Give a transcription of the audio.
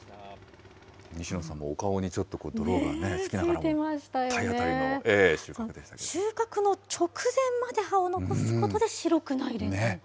西野さんもお顔にちょっと泥がね、つきながらも体当たりの取収穫の直前まで葉を残すことで白くないです。